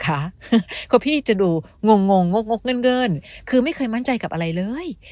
เพราะพี่จะดูงงงกเงินคือไม่เคยมั่นใจกับอะไรเลย